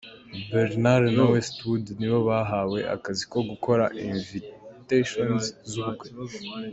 Barnard na Westwood ni bo bahawe akazi ko gukora ‘Invitations’ z’ubukwe.